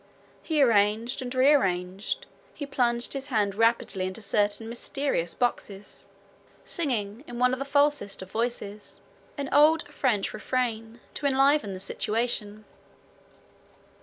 He arranged and rearranged, he plunged his hand rapidly into certain mysterious boxes, singing in one of the falsest of voices an old French refrain to enliven the situation.